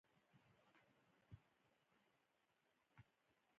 مانیرا وویل: خو ځینې عسکر بهر راووتل، چې جنګ وکړي.